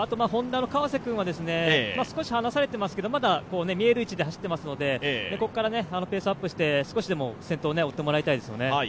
Ｈｏｎｄａの川瀬君は少し離されていますけど、まだ見える位置で走っていますので、ここからペースアップして少しでも先頭を追ってもらいたいですね。